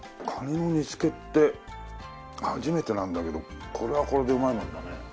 カニの煮付けって初めてなんだけどこれはこれでうまいもんだね。